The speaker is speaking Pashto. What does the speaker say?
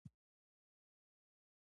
کوومه هغه په یو يټیوب کی نسته.